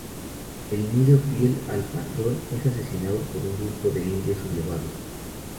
El indio fiel al patrón es asesinado por un grupo de indios sublevados.